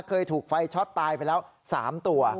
เคยถูกไฟช็อตตายไปแล้ว๓ตัว